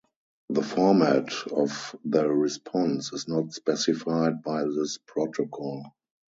The format of the response is not specified by this protocol.